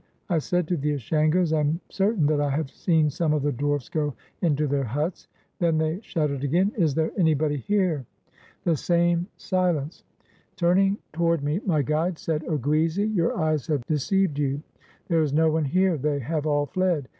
I said to the Ashangos, "I am certain that I have seen some of the dwarfs go into their huts." Then they shouted again, "Is there anybody here?" The same 409 WESTERN AND CENTRAL AFRICA silence. Turning toward me, my guides said, "Oguizi. your eyes have deceived you; there is no one here; they have all fled.